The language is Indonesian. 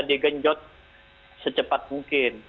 digenjot secepat mungkin